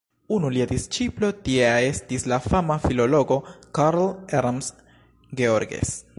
Unu lia disĉiplo tiea estis la fama filologo Karl Ernst Georges.